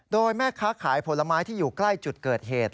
โดยแม่ค้าขายผลไม้ที่อยู่ใกล้จุดเกิดเหตุ